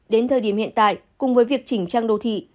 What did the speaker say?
đến thời điểm hiện tại cùng với việc chỉnh trang đô thị